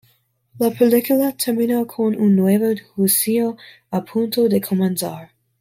La película termina con un nuevo juicio a punto de comenzar.